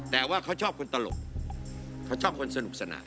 แต่ว่าเขาชอบคนตลกเขาชอบคนสนุกสนาน